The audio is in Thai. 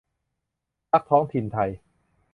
พรรคท้องถิ่นไทย